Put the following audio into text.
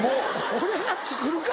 俺が作るか！